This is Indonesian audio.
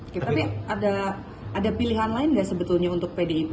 pembicara satu ada pilihan lain untuk pdip